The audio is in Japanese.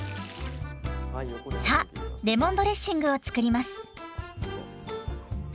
さあレモンドレッシングを作ります。